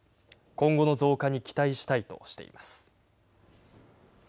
今後の増加に期待したいとしています。